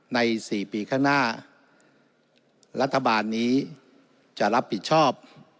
ใน๔ปีข้างหน้ารัฐบาลนี้จะรับผิดชอบ